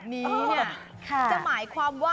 กูบ๊ายพระนี่จะหมายความว่า